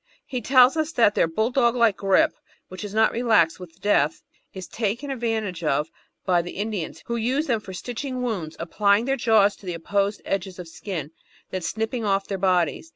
He tells us that their bulldog like grip, which does not relax with death, is taken advantage of by the Indians, who use them for stitching wounds, applying their jaws to the apposed edges of skin and then snipping off their bodies.